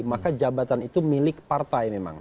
maka jabatan itu milik partai memang